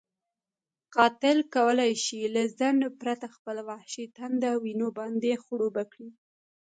قاتل کولی شي له ځنډ پرته خپله وحشي تنده وینو باندې خړوبه کړي.